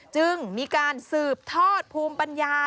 จึงมีการสืบทอดภูมิปัญญา